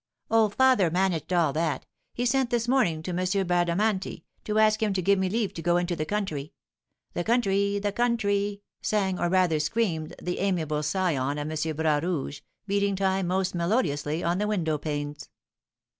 "Oh, father managed all that. He sent this morning to M. Bradamanti, to ask him to give me leave to go in the country, the country, the country," sang or rather screamed the amiable scion of M. Bras Rouge, beating time most melodiously on the window panes.